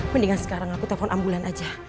mendingan sekarang aku telepon ambulan aja